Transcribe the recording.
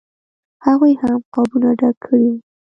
هغوی هم قابونه ډک کړي وو.